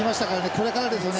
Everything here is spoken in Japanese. これからですよね